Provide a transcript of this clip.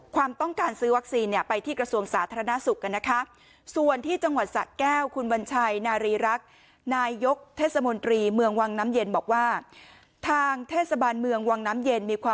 ความต้องการซื้อวัคซีนเนี่ยไปที่กระทรวงสาธารณสุขกันนะคะ